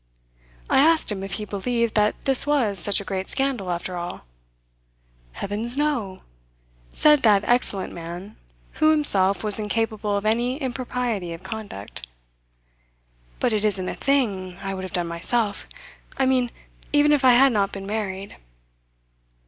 I asked him if he believed that this was such a great scandal after all. "Heavens, no!" said that excellent man who, himself, was incapable of any impropriety of conduct. "But it isn't a thing I would have done myself; I mean even if I had not been married."